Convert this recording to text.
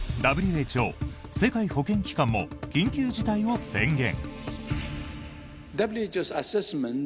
ＷＨＯ・世界保健機関も緊急事態を宣言。